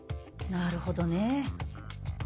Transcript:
なるほどね。